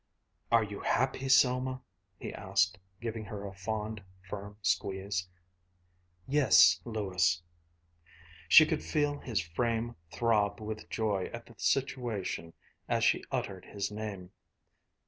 "Are you happy, Selma?" he asked, giving her a fond, firm squeeze. "Yes, Lewis." She could feel his frame throb with joy at the situation as she uttered his name.